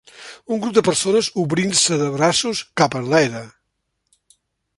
Un grup de persones obrint-se de braços cap a enlaire.